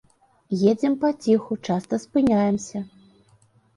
Едзем паціху, часта спыняемся.